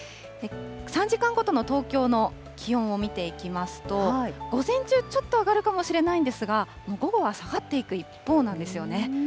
３時間ごとの東京の気温を見ていきますと、午前中、ちょっと上がるかもしれないんですが、午後は下がっていく一方なんですよね。